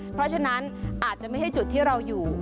เพราะฉะนั้นอาจจะไม่ใช่จุดที่เราอยู่